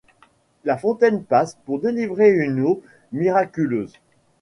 La fontaine passe pour délivrer une eau miraculeuse.